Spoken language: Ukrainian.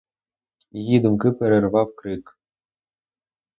Її думки перервав крик.